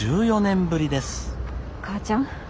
母ちゃん。